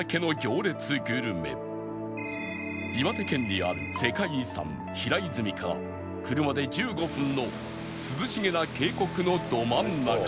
岩手県にある世界遺産平泉から車で１５分の涼しげな渓谷のど真ん中に